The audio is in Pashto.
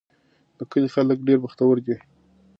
د کلي خلک ډېر بختور دي.